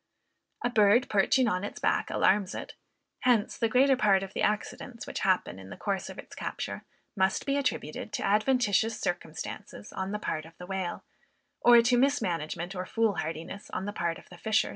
A bird perching on its back alarms it; hence, the greater part of the accidents which happen in the course of its capture, must be attributed to adventitious circumstances on the part of the whale, or to mismanagement or foolhardiness on the part of the fishers.